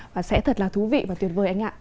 và sẽ thật là thú vị và tuyệt vời anh ạ